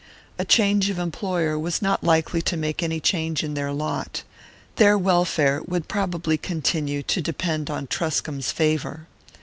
A change of employer was not likely to make any change in their lot: their welfare would probably continue to depend on Truscomb's favour.